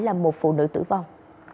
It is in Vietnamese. là một phụ nữ tử vong